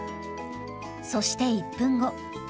そして１分後。